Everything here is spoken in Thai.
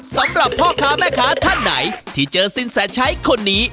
สำหรับพ่อค้าแม่ค้าท่านไหนที่เจอสินแสชัยคนนี้